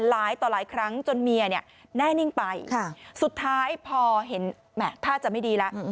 หลายต่อหลายครั้งจนเมียเนี่ยแน่นิ่งไปสุดท้ายพอเห็นแหม่ท่าจะไม่ดีแล้ว